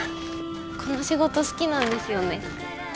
この仕事好きなんですよね。